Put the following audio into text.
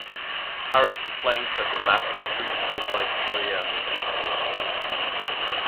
Harris complains that "the maths is treated quite lightly and superficially".